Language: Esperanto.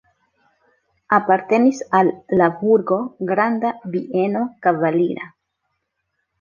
Apartenis al la burgo granda bieno kavalira.